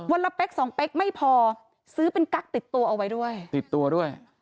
วันละเป๊ก๒เป๊กไม่พอซื้อเป็นกั๊กติดตัวเอาไว้ด้วย